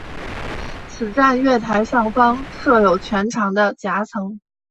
此站月台上方设有全长的夹层。